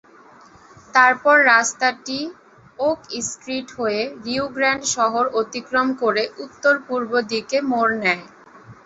তারপর রাস্তাটি Oak Street হয়ে রিও গ্রান্ড শহর অতিক্রম করে উত্তর-পূর্ব দিকে মোড় নেয়।